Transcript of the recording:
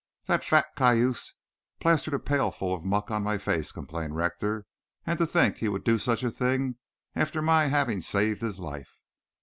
"That fat cayuse plastered a pailful of muck on my face," complained Rector. "And to think he would do such a thing after my having saved his life."